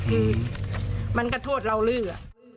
คือมันก็โทษเราหรือ